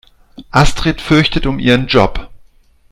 Astrid fürchtet um ihren Job.